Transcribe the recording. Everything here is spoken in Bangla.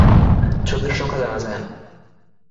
ছবির সংখ্যা জানা যায় না।